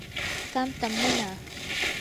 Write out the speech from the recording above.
qamtam munaa.